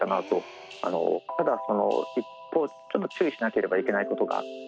ただ一方ちょっと注意しなければいけないことがあって。